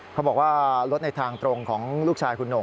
เขาบอกว่ารถในทางตรงของลูกชายคุณโหน่ง